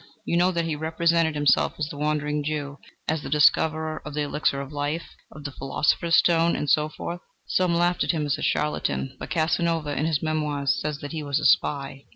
You know that he represented himself as the Wandering Jew, as the discoverer of the elixir of life, of the philosopher's stone, and so forth. Some laughed at him as a charlatan; but Casanova, in his memoirs, says that he was a spy.